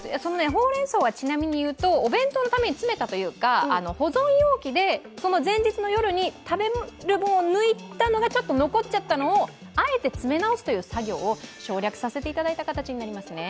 ほうれん草はちなみに言うとお弁当のために詰めたというか、保存容器で、その前日の夜に、食べる分を抜いたのがちょっと残っちゃったのをあえて詰め直すという作業を省略させていただいた形になりますね。